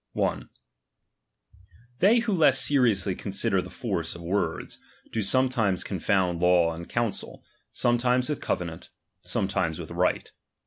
CHAP. XIV. 1. They who less seriously consider the force of words, do sometimes confound law with counsel, sometimes with covenant, sometimes with right.